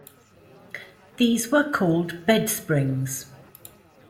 These were called bedsprings.